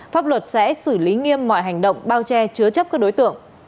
pháp luật sẽ xử lý nghiêm mọi hành động bao che chứa chấp các đối tượng